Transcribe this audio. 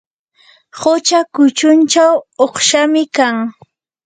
qucha kuchunchaw uqshami kan.